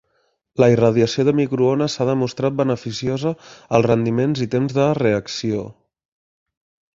La irradiació de microones s'ha demostrat beneficiosa als rendiments i temps de reacció.